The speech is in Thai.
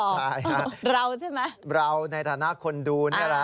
ใช่ฮะเราใช่ไหมเราในฐานะคนดูนี่แหละ